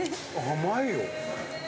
甘いよ。